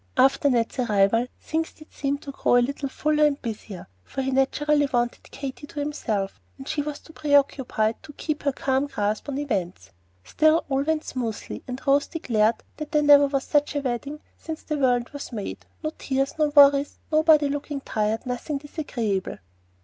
After Ned's arrival things did seem to grow a little fuller and busier, for he naturally wanted Katy to himself, and she was too preoccupied to keep her calm grasp on events; still all went smoothly, and Rose declared that there never was such a wedding since the world was made, no tears, no worries, nobody looking tired, nothing disagreeable!